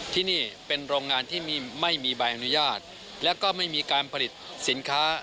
ที่นี่เป็นโรงงานที่ไม่มีใบอนุญาตแล้วก็ไม่มีการผลิตสินค้า